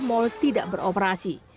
mall tidak beroperasi